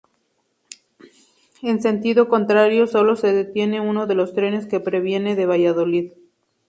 En sentido contrario solo se detiene uno de los trenes que proviene de Valladolid.